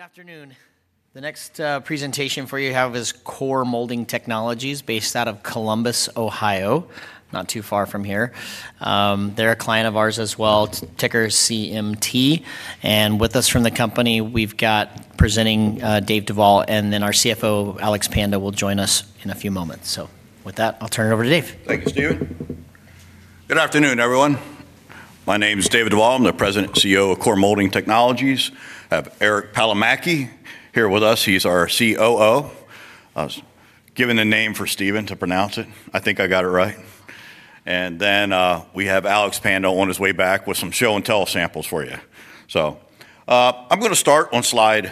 Good afternoon. The next presentation for you we have is Core Molding Technologies, based out of Columbus, Ohio, not too far from here. They're a client of ours as well, ticker CMT. With us from the company, we've got David Duvall and then our CFO, Alex Panda, will join us in a few moments. With that, I'll turn it over to David. Thanks, Steven. Good afternoon, everyone. My name is David Duvall. I'm the President and CEO of Core Molding Technologies. I have Eric Palomaki here with us. He's our COO. I was given the name for Steven to pronounce it. I think I got it right. We have Alex Panda on his way back with some show-and-tell samples for you. I'm going to start on slide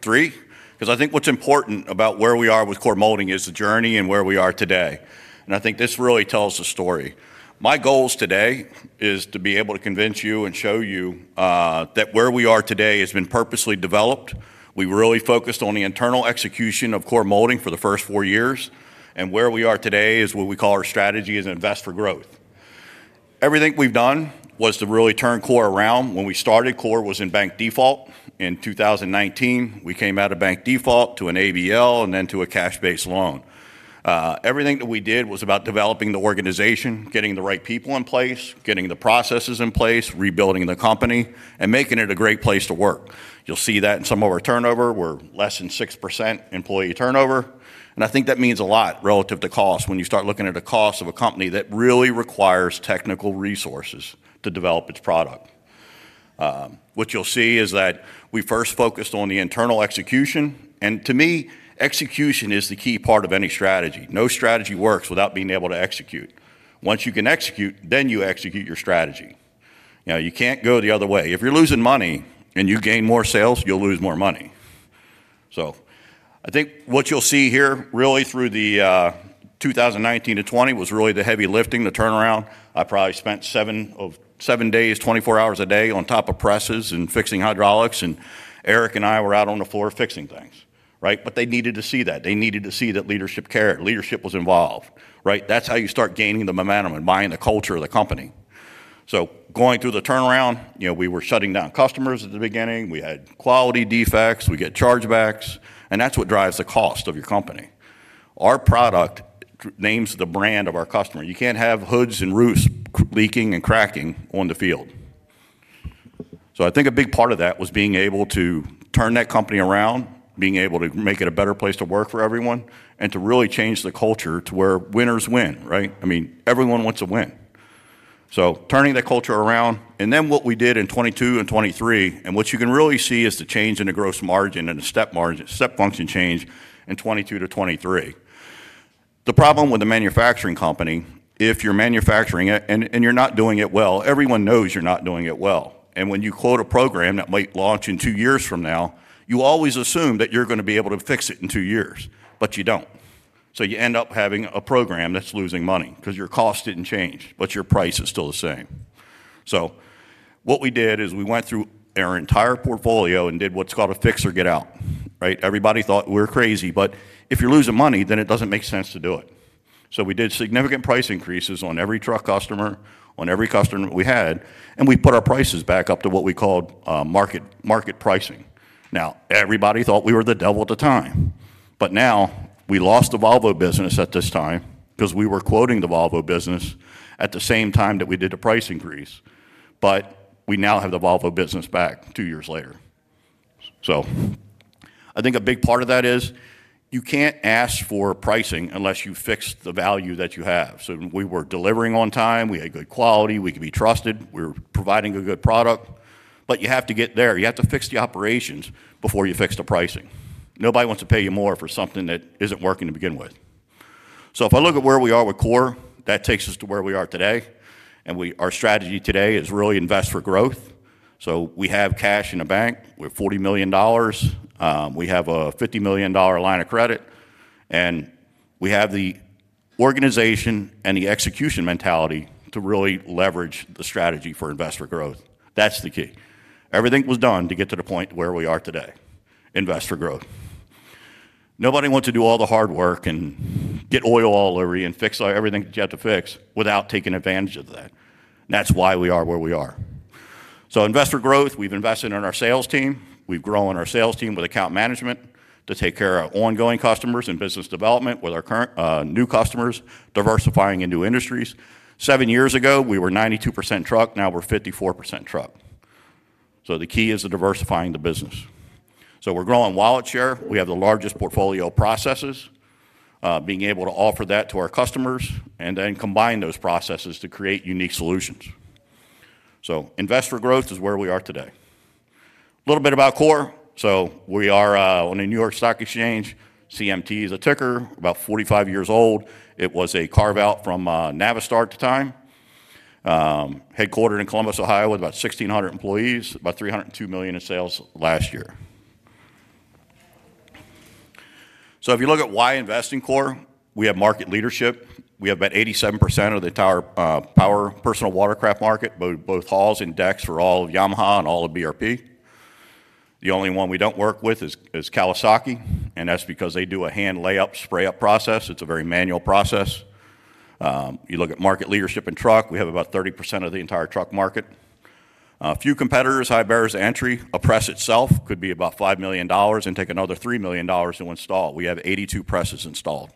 three, because I think what's important about where we are with Core Molding is the journey and where we are today. I think this really tells the story. My goal today is to be able to convince you and show you that where we are today has been purposely developed. We really focused on the internal execution of Core Molding for the first four years. Where we are today is what we call our strategy as an invest for growth. Everything we've done was to really turn Core around. When we started, Core was in bank default. In 2019, we came out of bank default to an AVL and then to a cash-based loan. Everything that we did was about developing the organization, getting the right people in place, getting the processes in place, rebuilding the company, and making it a great place to work. You'll see that in some of our turnover. We're less than 6% employee turnover. I think that means a lot relative to cost when you start looking at the cost of a company that really requires technical resources to develop its product. What you'll see is that we first focused on the internal execution. To me, execution is the key part of any strategy. No strategy works without being able to execute. Once you can execute, then you execute your strategy. You can't go the other way. If you're losing money and you gain more sales, you'll lose more money. I think what you'll see here really through the 2019-2020 was really the heavy lifting, the turnaround. I probably spent seven days, 24 hours a day on top of presses and fixing hydraulics. Eric and I were out on the floor fixing things. They needed to see that. They needed to see that leadership cared. Leadership was involved. That's how you start gaining the momentum and buying the culture of the company. Going through the turnaround, we were shutting down customers at the beginning. We had quality defects. We get chargebacks. That's what drives the cost of your company. Our product names the brand of our customer. You can't have hoods and roofs leaking and cracking on the field. I think a big part of that was being able to turn that company around, being able to make it a better place to work for everyone, and to really change the culture to where winners win. I mean, everyone wants to win. Turning that culture around, and then what we did in 2022 and 2023, and what you can really see is the change in the gross margin and the step function change in 2022-2023. The problem with a manufacturing company, if you're manufacturing it and you're not doing it well, everyone knows you're not doing it well. When you quote a program that might launch in two years from now, you always assume that you're going to be able to fix it in two years, but you don't. You end up having a program that's losing money because your cost didn't change, but your price is still the same. What we did is we went through our entire portfolio and did what's called a fix or get out. Everybody thought we were crazy. If you're losing money, then it doesn't make sense to do it. We did significant price increases on every truck customer, on every customer we had, and we put our prices back up to what we called market pricing. Everybody thought we were the devil at the time. We lost the Volvo business at this time because we were quoting the Volvo business at the same time that we did the price increase, but we now have the Volvo business back two years later. I think a big part of that is you can't ask for pricing unless you fix the value that you have. We were delivering on time. We had good quality. We could be trusted. We were providing a good product, but you have to get there. You have to fix the operations before you fix the pricing. Nobody wants to pay you more for something that isn't working to begin with. If I look at where we are with Core, that takes us to where we are today. Our strategy today is really invest for growth. We have cash in the bank. We have $40 million. We have a $50 million line of credit. We have the organization and the execution mentality to really leverage the strategy for invest for growth. That's the key. Everything was done to get to the point where we are today, invest for growth. Nobody wants to do all the hard work and get oil all over you and fix everything that you have to fix without taking advantage of that. That's why we are where we are. Invest for growth, we've invested in our sales team. We've grown our sales team with account management to take care of ongoing customers and business development with our current new customers, diversifying into industries. Seven years ago, we were 92% truck. Now we're 54% truck. The key is diversifying the business. We're growing wallet share. We have the largest portfolio of processes, being able to offer that to our customers and then combine those processes to create unique solutions. Invest for growth is where we are today. A little bit about Core. We are on the New York Stock Exchange. CMT is the ticker, about 45 years old. It was a carve-out from Navistar at the time, headquartered in Columbus, Ohio, with about 1,600 employees, about $302 million in sales last year. If you look at why invest in Core, we have market leadership. We have about 87% of the power personal watercraft market, both hulls and decks for all of Yamaha and all of BRP. The only one we don't work with is Kawasaki, and that's because they do a hand-lay-up, spray-up process. It's a very manual process. You look at market leadership in truck, we have about 30% of the entire truck market. A few competitors, high barriers to entry, a press itself could be about $5 million and take another $3 million to install. We have 82 presses installed.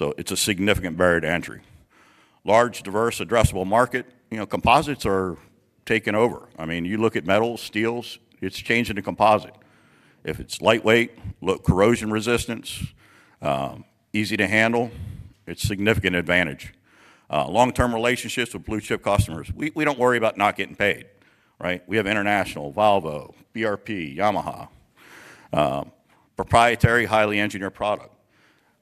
It's a significant barrier to entry. Large, diverse, addressable market. Composites are taking over. You look at metals, steels, it's changing to composite. If it's lightweight, corrosion resistance, easy to handle, it's a significant advantage. Long-term relationships with blue-chip customers. We don't worry about not getting paid. We have international Volvo, BRP, Yamaha, proprietary, highly engineered product.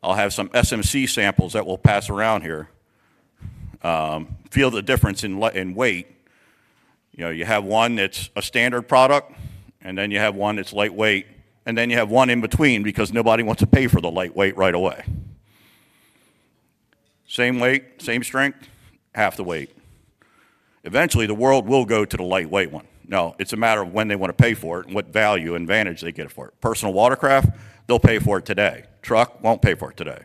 I'll have some SMC samples that we'll pass around here. Feel the difference in weight. You have one that's a standard product, and then you have one that's lightweight, and then you have one in between because nobody wants to pay for the lightweight right away. Same weight, same strength, half the weight. Eventually, the world will go to the lightweight one. Now, it's a matter of when they want to pay for it and what value and advantage they get for it. Personal watercraft, they'll pay for it today. Truck won't pay for it today.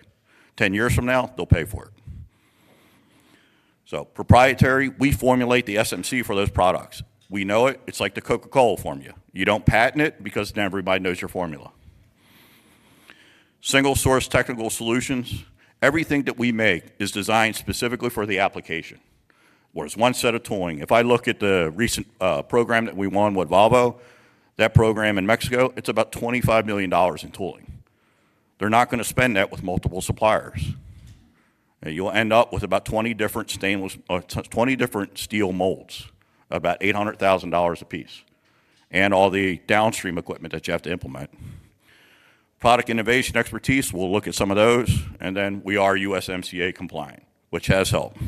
Ten years from now, they'll pay for it. Proprietary, we formulate the SMC for those products. We know it. It's like the Coca-Cola formula. You don't patent it because everybody knows your formula. Single-source technical solutions, everything that we make is designed specifically for the application. Whereas one set of tooling, if I look at the recent program that we won with Volvo, that program in Mexico, it's about $25 million in tooling. They're not going to spend that with multiple suppliers. You'll end up with about 20 different steel molds, about $800,000 apiece, and all the downstream equipment that you have to implement. Product innovation expertise, we'll look at some of those. We are USMCA compliant, which has helped. I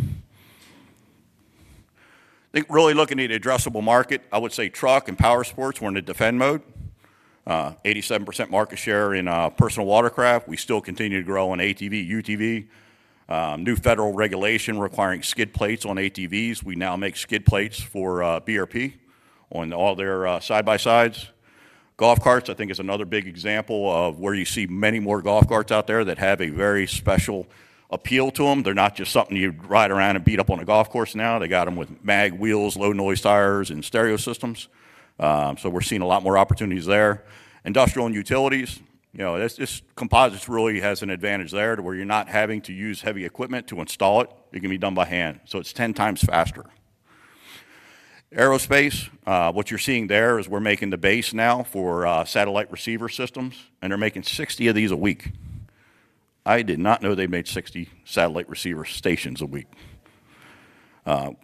think really looking at the addressable market, I would say truck and power sports were in a defend mode. 87% market share in personal watercraft. We still continue to grow on ATV, UTV. New federal regulation requiring skid plates on ATVs. We now make skid plates for BRP on all their side-by-sides. Golf carts, I think, is another big example of where you see many more golf carts out there that have a very special appeal to them. They're not just something you ride around and beat up on a golf course now. They got them with mag wheels, low-noise tires, and stereo systems. We're seeing a lot more opportunities there. Industrial and utilities, this composite really has an advantage there to where you're not having to use heavy equipment to install it. It can be done by hand. It's 10x faster. Aerospace, what you're seeing there is we're making the base now for satellite receiver systems. They're making 60 of these a week. I did not know they made 60 satellite receiver stations a week.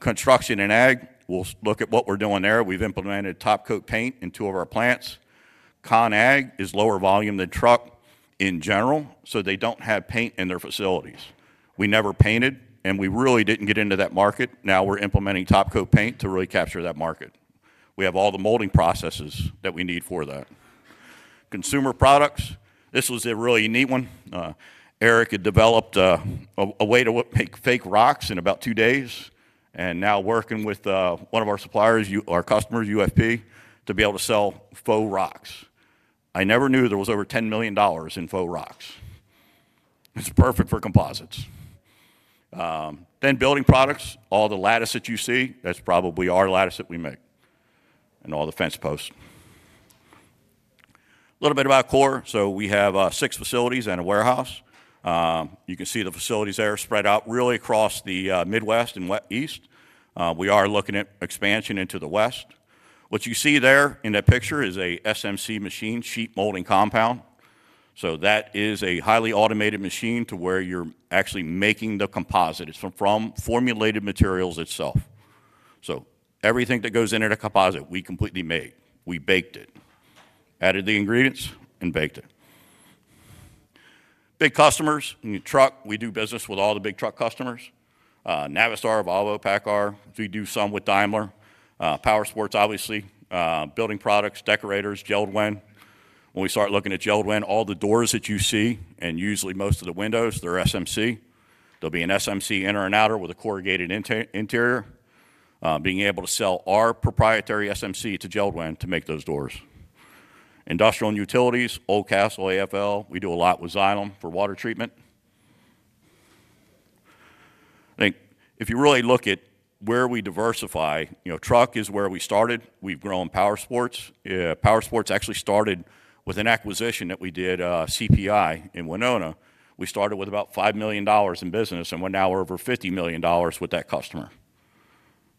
Construction and ag, we'll look at what we're doing there. We've implemented top coat paint in two of our plants. Con-ag is lower volume than truck in general. They don't have paint in their facilities. We never painted. We really didn't get into that market. Now we're implementing top coat paint to really capture that market. We have all the molding processes that we need for that. Consumer products, this was a really neat one. Eric had developed a way to make fake rocks in about two days. Now working with one of our suppliers, our customers, UFP, to be able to sell faux rocks. I never knew there was over $10 million in faux rocks. It's perfect for composites. Building products, all the lattice that you see, that's probably our lattice that we make, and all the fence posts. A little bit about Core. We have six facilities and a warehouse. You can see the facilities there spread out really across the Midwest and West East. We are looking at expansion into the West. What you see there in that picture is an SMC machine, sheet molding compound. That is a highly automated machine to where you're actually making the composite. It's from formulated materials itself. Everything that goes into the composite, we completely made. We baked it, added the ingredients, and baked it. Big customers, truck, we do business with all the big truck customers. Navistar, Volvo, PACCAR. We do some with Daimler. Power sports, obviously. Building products, decorators, Jeld-Wen. When we start looking at Jeld-Wen, all the doors that you see, and usually most of the windows, they're SMC. They'll be an SMC inner and outer with a corrugated interior, being able to sell our proprietary SMC to Jeld-Wen to make those doors. Industrial and utilities, Oldcastle, AFL, we do a lot with Xylem for water treatment. I think if you really look at where we diversify, truck is where we started. We've grown power sports. Power sports actually started with an acquisition that we did, CPI in Winona. We started with about $5 million in business and we're now over $50 million with that customer.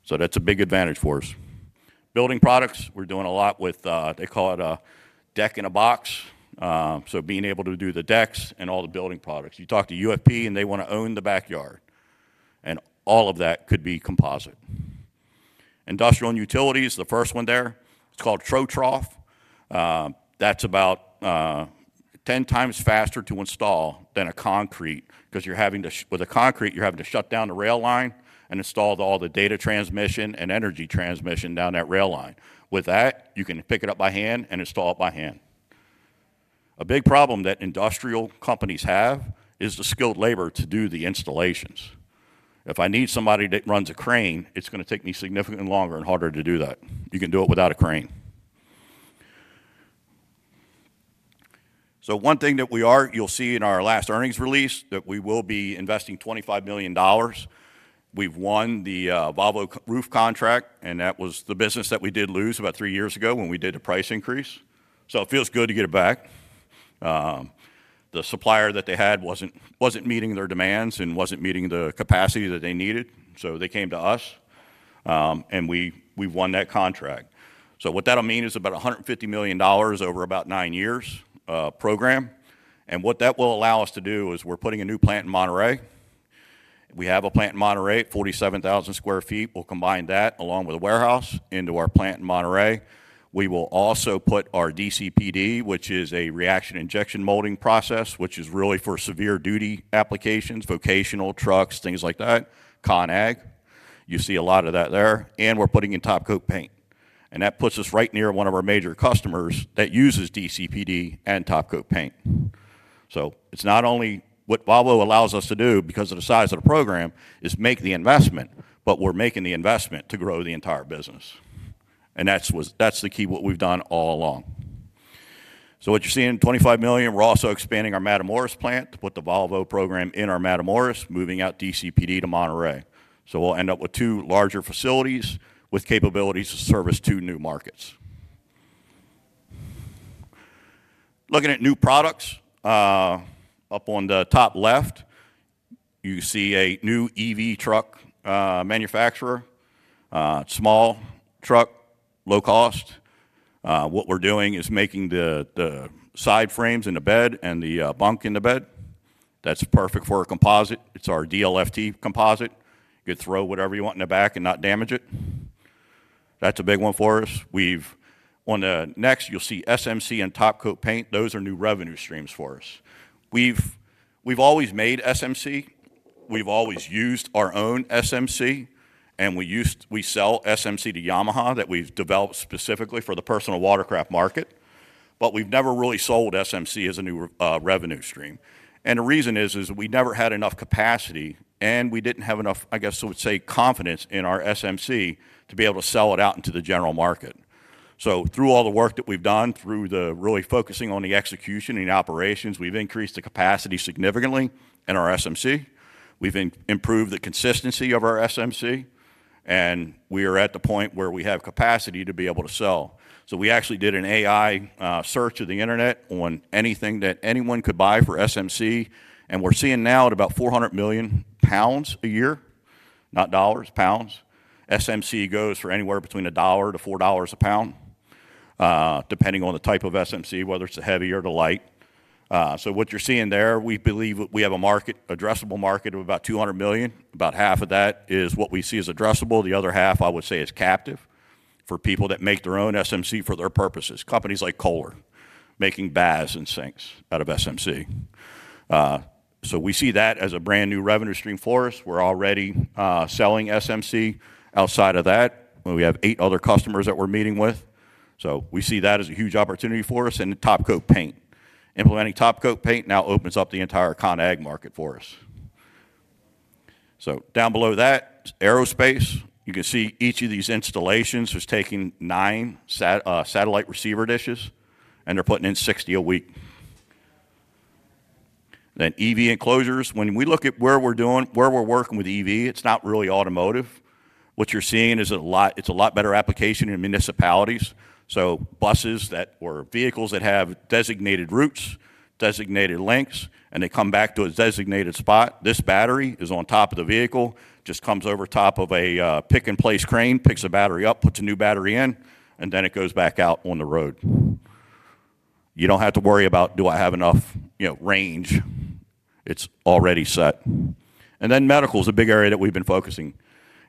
That's a big advantage for us. Building products, we're doing a lot with, they call it a deck in a box. Being able to do the decks and all the building products. You talk to UFP and they want to own the backyard. All of that could be composite. Industrial and utilities, the first one there, it's called Tro Troth. That's about 10x faster to install than a concrete because you're having to, with a concrete, you're having to shut down the rail line and install all the data transmission and energy transmission down that rail line. With that, you can pick it up by hand and install it by hand. A big problem that industrial companies have is the skilled labor to do the installations. If I need somebody that runs a crane, it's going to take me significantly longer and harder to do that. You can do it without a crane. One thing that we are, you'll see in our last earnings release that we will be investing $25 million. We've won the Volvo roof contract. That was the business that we did lose about three years ago when we did a price increase. It feels good to get it back. The supplier that they had wasn't meeting their demands and wasn't meeting the capacity that they needed. They came to us. We've won that contract. What that'll mean is about $150 million over about nine years program. What that will allow us to do is we're putting a new plant in Monterrey. We have a plant in Monterrey, 47,000 square feet. We'll combine that along with a warehouse into our plant in Monterrey. We will also put our DCPD, which is a reaction injection molding process, which is really for severe duty applications, vocational trucks, things like that, con-ag. You see a lot of that there. We're putting in top coat paint. That puts us right near one of our major customers that uses DCPD and top coat paint. It's not only what Volvo allows us to do because of the size of the program, it's making the investment. We're making the investment to grow the entire business. That's the key to what we've done all along. What you're seeing, $25 million, we're also expanding our Matamoros plant to put the Volvo program in our Matamoros, moving out DCPD to Monterrey. We'll end up with two larger facilities with capabilities to service two new markets. Looking at new products, up on the top left, you see a new EV truck manufacturer. It's a small truck, low cost. What we're doing is making the side frames in the bed and the bunk in the bed. That's perfect for a composite. It's our DLFT composite. You could throw whatever you want in the back and not damage it. That's a big one for us. On the next, you'll see SMC and top coat paint. Those are new revenue streams for us. We've always made SMC. We've always used our own SMC. We sell SMC to Yamaha that we've developed specifically for the personal watercraft market. We've never really sold SMC as a new revenue stream. The reason is we never had enough capacity. We didn't have enough, I guess, I would say, confidence in our SMC to be able to sell it out into the general market. Through all the work that we've done, through really focusing on the execution and operations, we've increased the capacity significantly in our SMC. We've improved the consistency of our SMC. We are at the point where we have capacity to be able to sell. We actually did an AI search of the internet on anything that anyone could buy for SMC. We're seeing now at about 400 million pounds a year, not dollars, pounds. SMC goes for anywhere between $1-$4 a pound, depending on the type of SMC, whether it's the heavy or the light. What you're seeing there, we believe we have a market, addressable market of about 200 million. About half of that is what we see as addressable. The other half, I would say, is captive for people that make their own SMC for their purposes, companies like Kohler, making baths and sinks out of SMC. We see that as a brand new revenue stream for us. We're already selling SMC outside of that. We have eight other customers that we're meeting with. We see that as a huge opportunity for us and top coat paint. Implementing top coat paint now opens up the entire con-ag market for us. Down below that is aerospace. You can see each of these installations is taking nine satellite receiver dishes, and they're putting in 60 a week. EV enclosures. When we look at where we're doing, where we're working with EV, it's not really automotive. What you're seeing is a lot, it's a lot better application in municipalities. Buses or vehicles that have designated routes, designated lengths, and they come back to a designated spot. This battery is on top of the vehicle, just comes over top of a pick-in-place crane, picks the battery up, puts a new battery in, and then it goes back out on the road. You don't have to worry about, do I have enough range? It's already set. Medical is a big area that we've been focusing.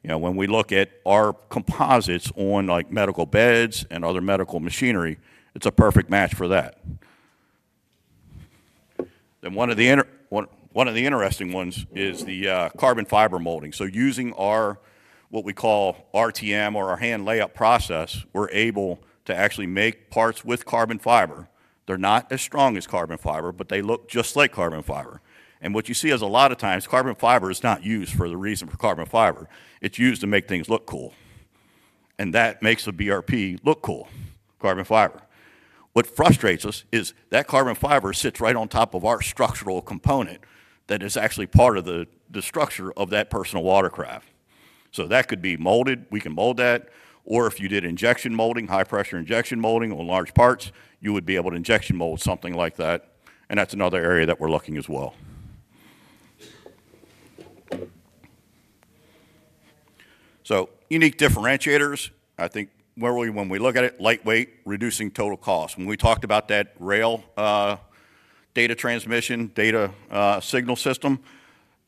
When we look at our composites on medical beds and other medical machinery, it's a perfect match for that. One of the interesting ones is the carbon fiber molding. Using what we call RTM or our hand-lay-up process, we're able to actually make parts with carbon fiber. They're not as strong as carbon fiber, but they look just like carbon fiber. What you see is a lot of times, carbon fiber is not used for the reason for carbon fiber. It's used to make things look cool. That makes the BRP look cool, carbon fiber. What frustrates us is that carbon fiber sits right on top of our structural component that is actually part of the structure of that personal watercraft. That could be molded. We can mold that. If you did injection molding, high-pressure injection molding on large parts, you would be able to injection mold something like that. That's another area that we're looking as well. Unique differentiators. I think when we look at it, lightweight, reducing total cost. When we talked about that rail data transmission, data signal system,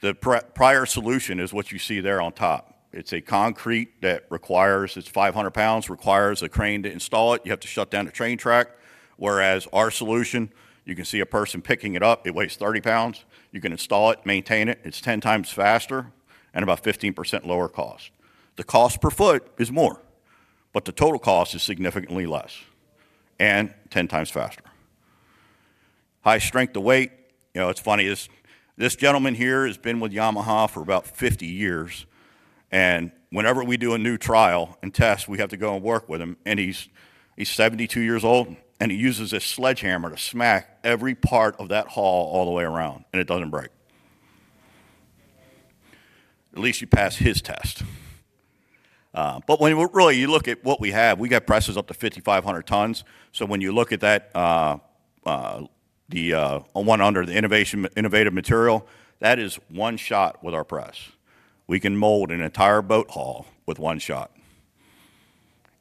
the prior solution is what you see there on top. It's a concrete that requires 500 pounds, requires a crane to install it. You have to shut down the train track. Whereas our solution, you can see a person picking it up. It weighs 30 pounds. You can install it, maintain it. It's 10x faster and about 15% lower cost. The cost per foot is more, but the total cost is significantly less and 10x faster. High strength to weight. It's funny. This gentleman here has been with Yamaha for about 50 years. Whenever we do a new trial and test, we have to go and work with him. He's 72 years old, and he uses a sledgehammer to smack every part of that hull all the way around, and it doesn't break. At least you pass his test. When you look at what we have, we got presses up to 5,500 tons. When you look at that, the one under the innovative material, that is one shot with our press. We can mold an entire boat hull with one shot,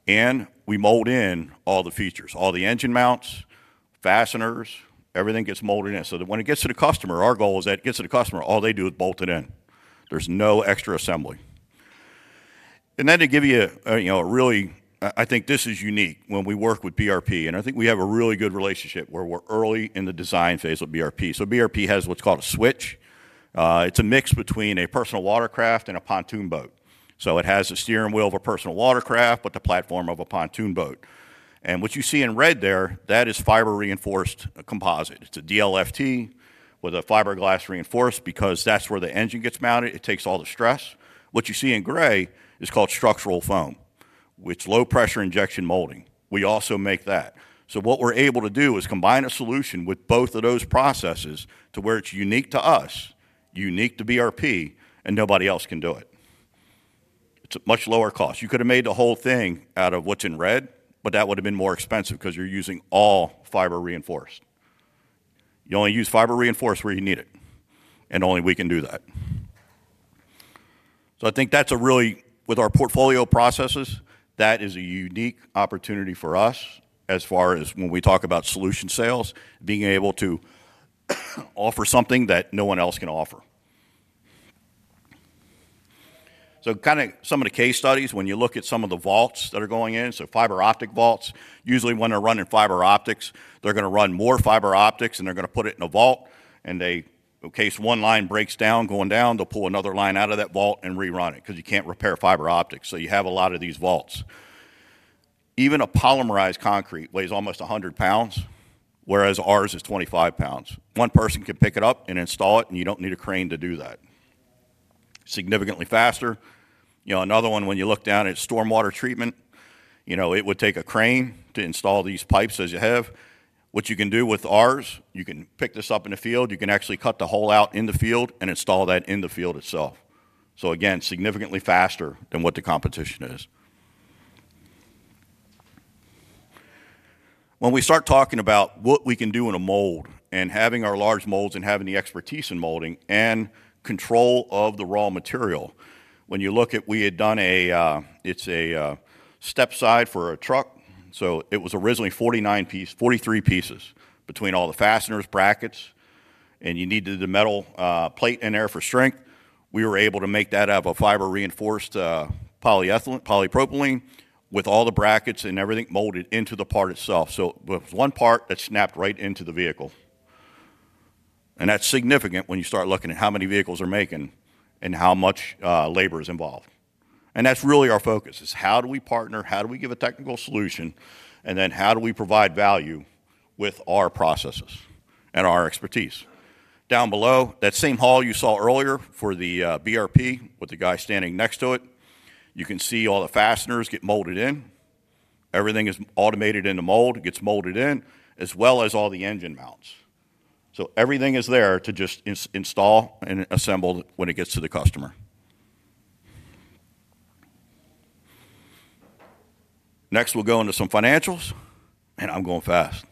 and we mold in all the features, all the engine mounts, fasteners. Everything gets molded in. When it gets to the customer, our goal is that it gets to the customer, all they do is bolt it in. There's no extra assembly. To give you a really, I think this is unique. When we work with BRP, I think we have a really good relationship where we're early in the design phase of BRP. BRP has what's called a Switch. It's a mix between a personal watercraft and a pontoon boat. It has a steering wheel of a personal watercraft, but the platform of a pontoon boat. What you see in red there, that is fiber-reinforced composite. It's a DLFT with a fiberglass reinforced because that's where the engine gets mounted. It takes all the stress. What you see in gray is called structural foam, which is low-pressure injection molding. We also make that. We're able to combine a solution with both of those processes to where it's unique to us, unique to BRP, and nobody else can do it. It's a much lower cost. You could have made the whole thing out of what's in red, but that would have been more expensive because you're using all fiber reinforced. You only use fiber reinforced where you need it, and only we can do that. I think that's a really, with our portfolio processes, that is a unique opportunity for us as far as when we talk about solution sales, being able to offer something that no one else can offer. Kind of some of the case studies, when you look at some of the vaults that are going in, so fiber optic vaults, usually when they're running fiber optics, they're going to run more fiber optics and they're going to put it in a vault. In case one line breaks down going down, they'll pull another line out of that vault and rerun it because you can't repair fiber optics. You have a lot of these vaults. Even a polymerized concrete weighs almost 100 pounds, whereas ours is 25 pounds. One person can pick it up and install it, and you don't need a crane to do that. Significantly faster. Another one, when you look down at stormwater treatment, it would take a crane to install these pipes as you have. What you can do with ours, you can pick this up in the field. You can actually cut the hole out in the field and install that in the field itself. Again, significantly faster than what the competition is. When we start talking about what we can do in a mold and having our large molds and having the expertise in molding and control of the raw material, when you look at, we had done a, it's a step side for a truck. It was originally 43 pieces between all the fasteners, brackets, and you needed the metal plate in there for strength. We were able to make that out of a fiber-reinforced polyethylene, polypropylene, with all the brackets and everything molded into the part itself. It was one part that snapped right into the vehicle. That's significant when you start looking at how many vehicles are making and how much labor is involved. That's really our focus, how do we partner, how do we give a technical solution, and then how do we provide value with our processes and our expertise. Down below, that same haul you saw earlier for the BRP with the guy standing next to it, you can see all the fasteners get molded in. Everything is automated in the mold, gets molded in, as well as all the engine mounts. Everything is there to just install and assemble when it gets to the customer. Next, we'll go into some financials. I'm going fast.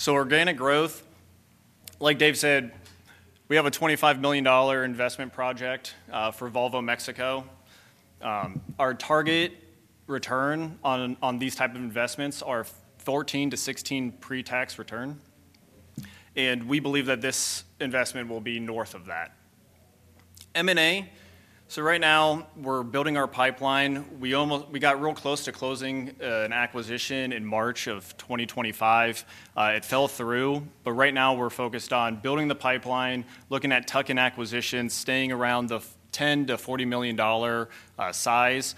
That's something you had to mount? Yeah. Okay, like Dave said, you know, everything we've done has led us to this point to invest for growth. Our capital allocation priorities are organic growth, M&A, return capital to shareholders, and maintaining a strong balance sheet. I got to go back here? Organic growth, like Dave said, we have a $25 million investment project for Volvo Mexico. Our target return on these types of investments is $14 million-$16 million pre-tax return, and we believe that this investment will be north of that. M&A, right now we're building our pipeline. We got real close to closing an acquisition in March of 2025. It fell through. Right now we're focused on building the pipeline, looking at tuck-in acquisitions, staying around the $10 million-$40 million size.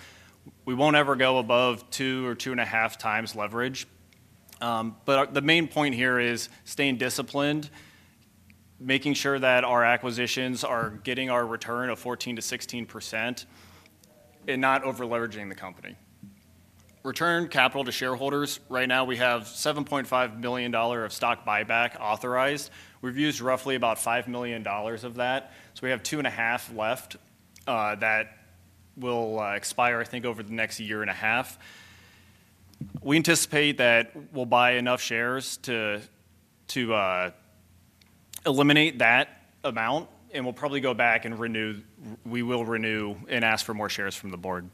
We won't ever go above 2% or 2.5x leverage. The main point here is staying disciplined, making sure that our acquisitions are getting our return of 14%-16% and not over-leveraging the company. Return capital to shareholders, right now we have $7.5 million of stock buyback authorized. We've used roughly about $5 million of that, so we have $2.5 million left that will expire, I think, over the next year and a half. We anticipate that we'll buy enough shares to eliminate that amount, and we'll probably go back and renew. We will renew and ask for more shares from the board.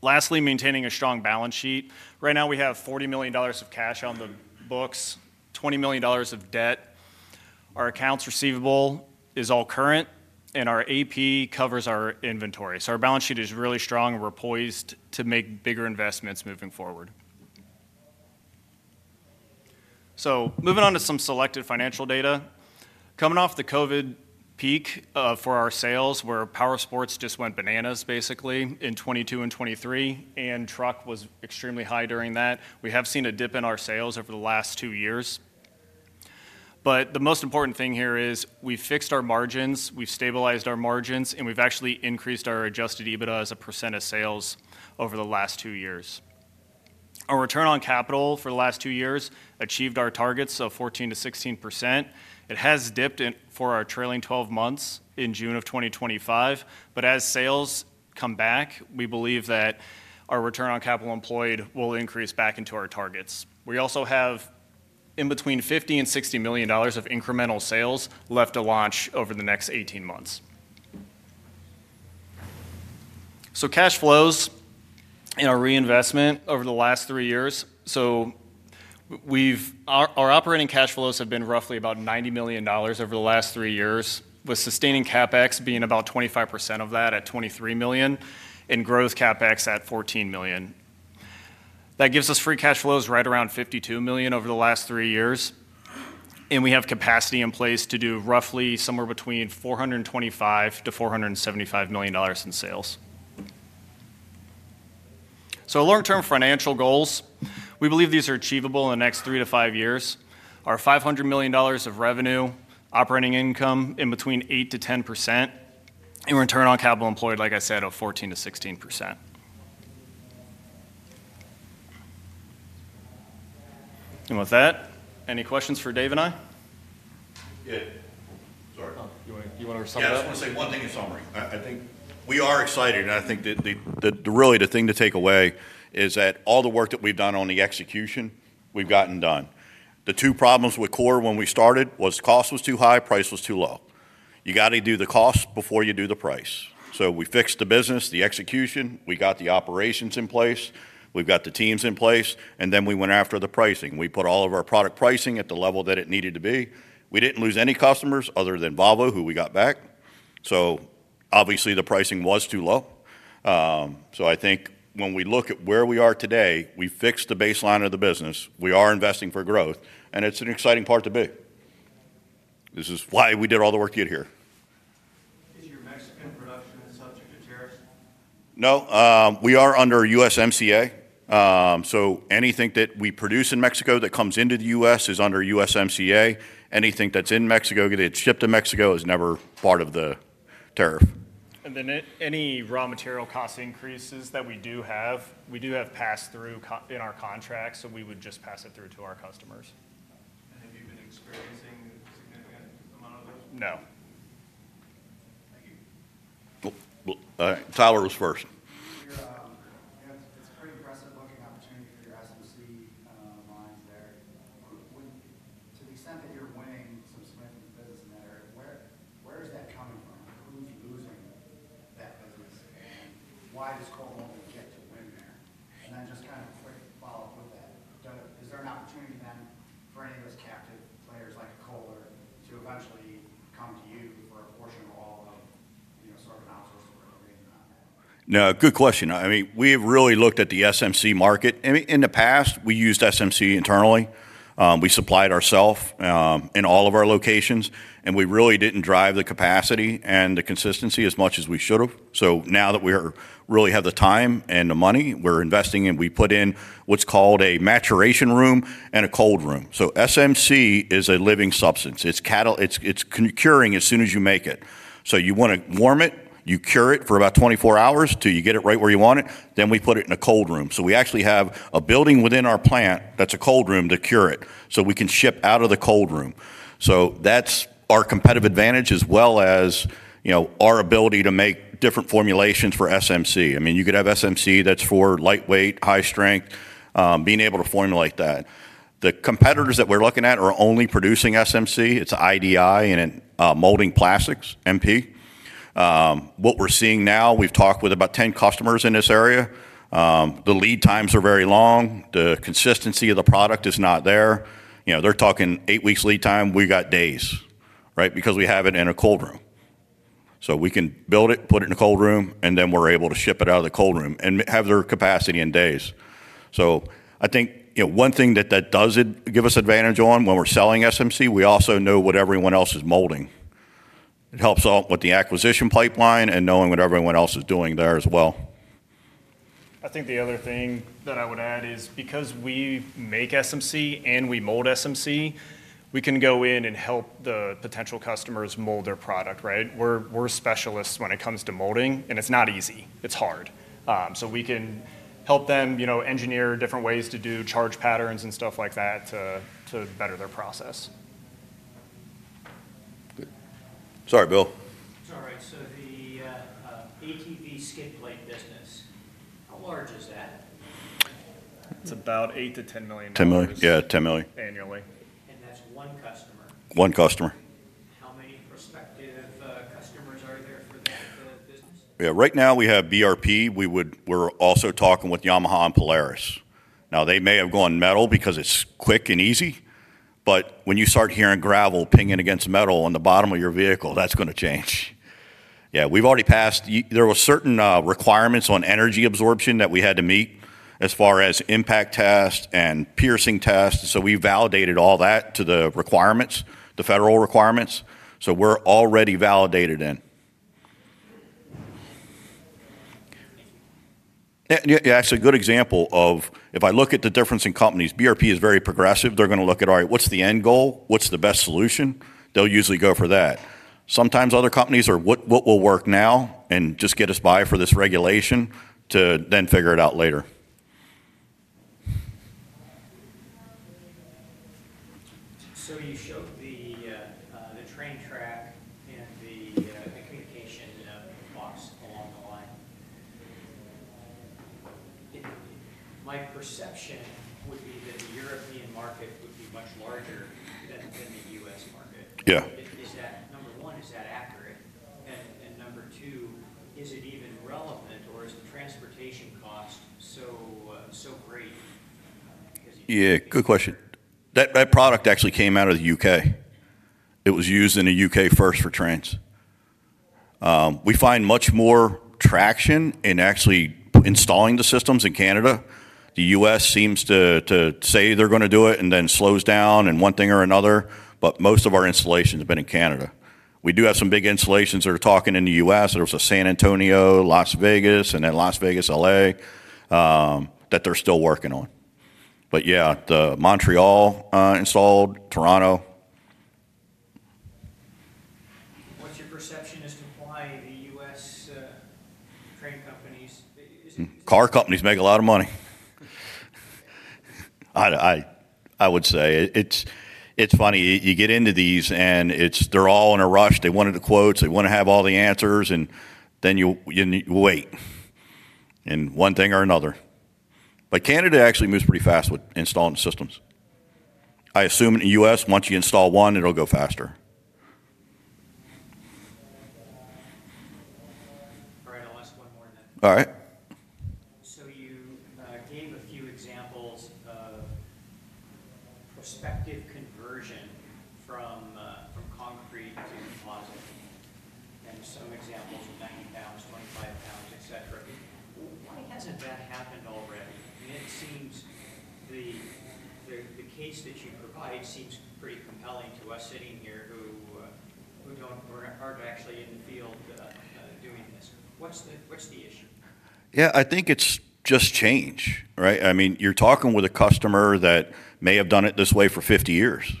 Lastly, maintaining a strong balance sheet. Right now we have $40 million of cash on the books, $20 million of debt. Our accounts receivable is all current, and our AP covers our inventory. Our balance sheet is really strong, and we're poised to make bigger investments moving forward. Moving on to some selected financial data. Coming off the COVID peak for our sales, where power sports just went bananas, basically, in 2022 and 2023, and truck was extremely high during that, we have seen a dip in our sales over the last two years. The most important thing here is we've fixed our margins, we've stabilized our margins, and we've actually increased our adjusted EBITDA as a percent of sales over the last two years. Our return on capital for the last two years achieved our targets of 14% to 16%. It has dipped for our trailing 12 months in June of 2025, but as sales come back, we believe that our return on capital employed will increase back into our targets. We also have between $50 million and $60 million of incremental sales left to launch over the next 18 months. Cash flows and our reinvestment over the last three years, our operating cash flows have been roughly about $90 million over the last three years, with sustaining CapEx being about 25% of that at $23 million and growth CapEx at $14 million. That gives us free cash flows right around $52 million over the last three years. We have capacity in place to do roughly somewhere between $425 million-$475 million in sales. Long-term financial goals, we believe these are achievable in the next three to five years. Our $500 million of revenue, operating income in between 8%-10%, and return on capital employed, like I said, of 14%-16%. With that, any questions for Dave and I? Yeah. Sorry. Oh, you want to sum it up? Yeah, I want to say one thing in summary. I think we are excited. I think that really the thing to take away is that all the work that we've done on the execution, we've gotten done. The two problems with Core when we started were cost was too high, price was too low. You got to do the cost before you do the price. We fixed the business, the execution. We got the operations in place. We've got the teams in place. We went after the pricing. We put all of our product pricing at the level that it needed to be. We didn't lose any customers other than Volvo, who we got back. Obviously, the pricing was too low. I think when we look at where we are today, we fixed the baseline of the business. We are investing for growth, and it's an exciting part to be. This is why we did all the work to get here. No, we are under USMCA. Anything that we produce in Mexico that comes into the U.S. is under USMCA. Anything that's in Mexico that gets shipped to Mexico is never part of the tariff. Any raw material cost increases that we do have, we do have pass-through in our contracts. We would just pass it through to our customers. Have you been experiencing a significant amount of? No. Tyler was first. A bunch of opportunity here to SMC lines there. To the extent that you're winning and sort of splitting the business in that area, where is that coming from? Who's losing that business? Why does Core Molding get to be there? Is there an opportunity then for any of those captive players like Jeld-Wen to eventually come to you for a portion or all? Good question. We have really looked at the SMC market. In the past, we used SMC internally. We supplied ourselves in all of our locations, and we really didn't drive the capacity and the consistency as much as we should have. Now that we really have the time and the money, we're investing and we put in what's called a maturation room and a cold room. SMC is a living substance. It's curing as soon as you make it. You want to warm it. You cure it for about 24 hours till you get it right where you want it. We put it in a cold room. We actually have a building within our plant that's a cold room to cure it. We can ship out of the cold room. That's our competitive advantage, as well as our ability to make different formulations for SMC. You could have SMC that's for lightweight, high strength, being able to formulate that. The competitors that we're looking at are only producing SMC. It's IDI and Molding Products, MP. What we're seeing now, we've talked with about 10 customers in this area. The lead times are very long. The consistency of the product is not there. They're talking eight weeks lead time. We got days, right, because we have it in a cold room. We can build it, put it in a cold room, and then we're able to ship it out of the cold room and have their capacity in days. I think one thing that does give us advantage on when we're selling SMC, we also know what everyone else is molding. It helps out with the acquisition pipeline and knowing what everyone else is doing there as well. I think the other thing that I would add is because we make SMC and we mold SMC, we can go in and help the potential customers mold their product. We're specialists when it comes to molding. It's not easy. It's hard. We can help them engineer different ways to do charge patterns and stuff like that to better their process. Sorry, Bill. All right. The ATV skid plate business, how large is that? It's about $8 million-$10 million. $10 million, yeah, $10 million, one customer. Annually. One customer. Yeah, right now we have BRP. We're also talking with Yamaha and Polaris. They may have gone metal because it's quick and easy. When you start hearing gravel pinging against metal on the bottom of your vehicle, that's going to change. We've already passed certain requirements on energy absorption that we had to meet as far as impact test and piercing test. We validated all that to the requirements, the federal requirements. We're already validated in. That's a good example of if I look at the difference in companies, BRP is very progressive. They're going to look at, all right, what's the end goal? What's the best solution? They'll usually go for that. Sometimes other companies are what will work now and just get us by for this regulation to then figure it out later. You showed the train track and the communication box along the line. My perception would be that the European market would be much larger than the U.S. market. Yeah. Is that, number one, is that accurate? Number two, is it even relevant, or is the transportation cost so great? Yeah, good question. That product actually came out of the U.K. It was used in the U.K. first for trains. We find much more traction in actually installing the systems in Canada. The U.S. seems to say they're going to do it and then slows down in one thing or another. Most of our installations have been in Canada. We do have some big installations that are talking in the U.S. There's a San Antonio, Las Vegas, and then Las Vegas, LA that they're still working on. The Montreal installed, Toronto. What's your perception as to why the U.S.? Car companies make a lot of money, I would say. It's funny. You get into these and they're all in a rush. They wanted the quotes. They want to have all the answers. You wait in one thing or another. Canada actually moves pretty fast with installing systems. I assume in the U.S., once you install one, it'll go faster. All right. You gave a few examples of prospective conversion from concrete to epoxide, and some examples of 90 pounds, 25 pounds, et cetera. Why hasn't that happened already? It seems the case that you provide seems pretty compelling to us sitting here who don't wear hard hats. What's the issue? Yeah, I think it's just change. I mean, you're talking with a customer that may have done it this way for 50 years.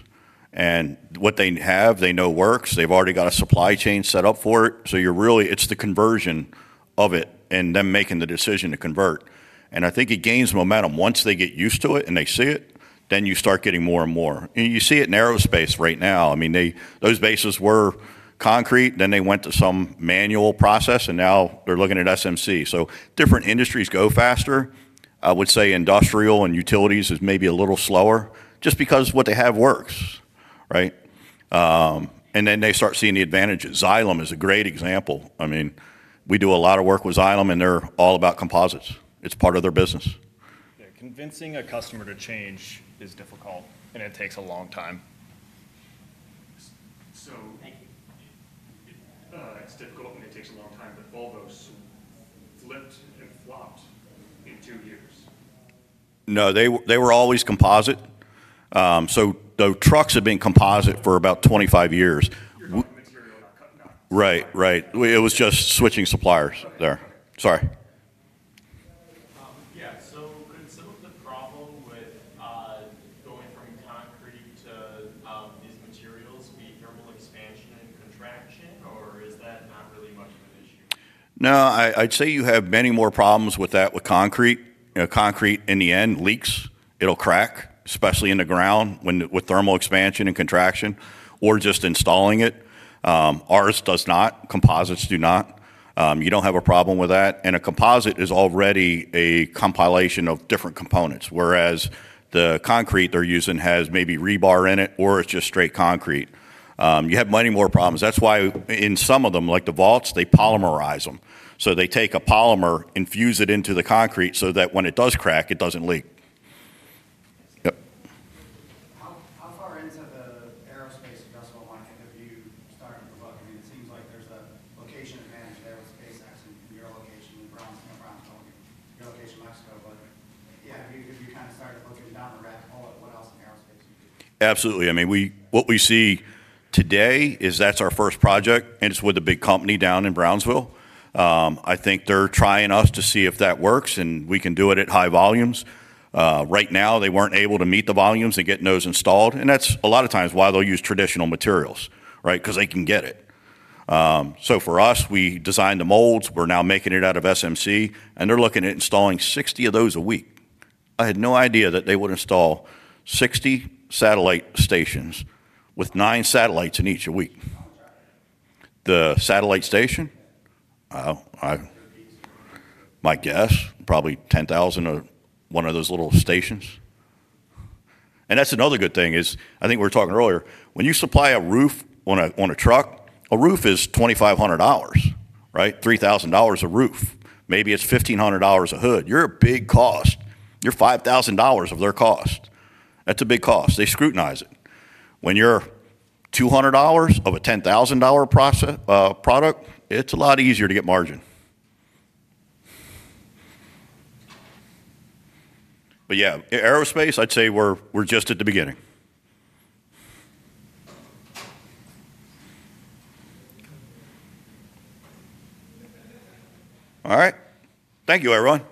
What they have, they know works. They've already got a supply chain set up for it. You're really, it's the conversion of it and them making the decision to convert. I think it gains momentum. Once they get used to it and they see it, you start getting more and more. You see it in aerospace right now. Those bases were concrete. They went to some manual process. Now they're looking at SMC. Different industries go faster. I would say industrial and utilities is maybe a little slower just because what they have works, right? They start seeing the advantages. Xylem is a great example. We do a lot of work with Xylem, and they're all about composites. It's part of their business. Yeah, convincing a customer to change is difficult. It takes a long time. It's difficult, and it takes a long time to fold those? No, they were always composite. The trucks have been composite for about 25 years. It was just switching suppliers there. Sorry. Going from concrete to these materials, we have trouble with expansion? No, I'd say you have many more problems with that with concrete. Concrete, in the end, leaks. It'll crack, especially in the ground with thermal expansion and contraction or just installing it. Ours does not. Composites do not. You don't have a problem with that. A composite is already a compilation of different components, whereas the concrete they're using has maybe rebar in it or it's just straight concrete. You have many more problems. That's why in some of them, like the vaults, they polymerize them. They take a polymer, infuse it into the concrete so that when it does crack, it doesn't leak. How far into the aerospace industrial market have you started to look? It seems like there's a location advantage in aerospace, actually, in the air location in Brownsville. The air location in Brownsville. Yeah. Absolutely. I mean, what we see today is that's our first project, and it's with a big company down in Brownsville. I think they're trying us to see if that works, and we can do it at high volumes. Right now, they weren't able to meet the volumes and get those installed. That's a lot of times why they'll use traditional materials, right, because they can get it. For us, we designed the molds. We're now making it out of SMC, and they're looking at installing 60 of those a week. I had no idea that they would install 60 satellite stations with nine satellites in each a week. The satellite station, my guess, probably 10,000 of one of those little stations. That's another good thing. I think we were talking earlier. When you supply a roof on a truck, a roof is $2,500, right, $3,000 a roof. Maybe it's $1,500 a hood. You're a big cost. You're $5,000 of their cost. That's a big cost. They scrutinize it. When you're $200 of a $10,000 product, it's a lot easier to get margin. Yeah, aerospace, I'd say we're just at the beginning. All right. Thank you, everyone.